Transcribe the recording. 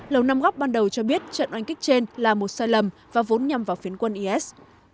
lầu năm góc ban đầu cho biết trận oanh kích trên là một sai lầm và vốn nhằm vào phiến quân is